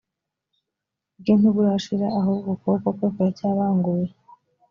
bwe ntiburashira ahubwo ukuboko kwe kuracyabanguye